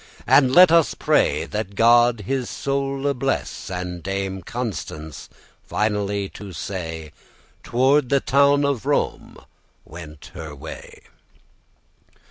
Now let us pray that God his soule bless: And Dame Constance, finally to say, Toward the town of Rome went her way.